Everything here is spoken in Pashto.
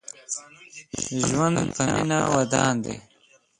ژوند په مينه ودان دې